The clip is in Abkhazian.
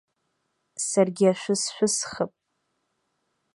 Саргьы ашәы сшәысхып.